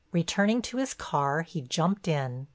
Returning to his car, he jumped in.